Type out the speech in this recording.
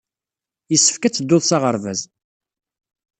Yessefk ad tedduḍ s aɣerbaz.